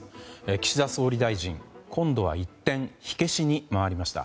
岸田総理大臣、今度は一転火消しに回りました。